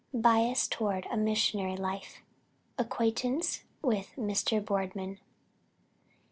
BIAS TOWARD A MISSIONARY LIFE. ACQUAINTANCE WITH MR. BOARDMAN.